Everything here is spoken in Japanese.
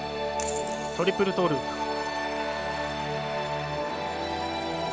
トリプルトーループ。